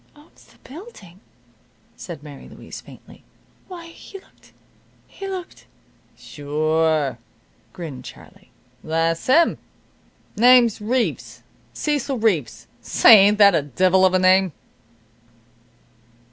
"Owns the building!" said Mary Louise, faintly. "Why he looked he looked " "Sure," grinned Charlie. "That's him. Name's Reeves Cecil Reeves. Say, ain't that a divil of a name?"